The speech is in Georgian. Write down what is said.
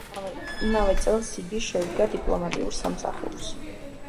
იმავე წელს, იგი შეუდგა დიპლომატიურ სამსახურს.